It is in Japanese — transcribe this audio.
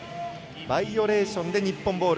バイオレーションで日本ボール。